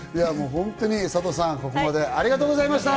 本当にサトさん、ここまでありがとうございました。